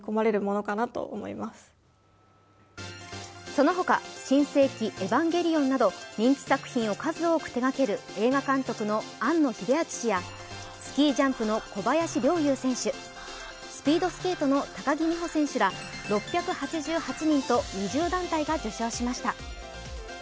そのほか、「新世紀エヴァンゲリオン」など人気作品を数多く手がける映画監督の庵野秀明氏やスキージャンプの小林陵侑選手、スピードスケートの高木美帆選手ら６８８人と２０団体が受章しました。